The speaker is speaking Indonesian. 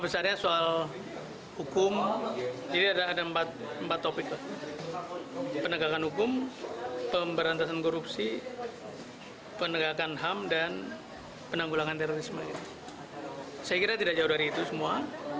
saya kira tidak jauh dari itu semua